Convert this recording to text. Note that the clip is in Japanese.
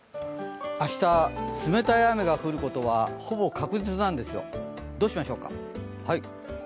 明日、冷たい雨が降ることはほぼ確実なんですよ、どうしましょうか。